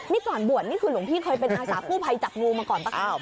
นี่ก่อนบวชนี่คือหลวงพี่เคยเป็นอาสากู้ภัยจับงูมาก่อนป่ะคะ